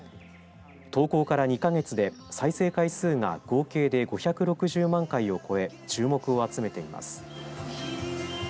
投稿から２か月で再生回数が合計で５６０万回を超え注目を集めています。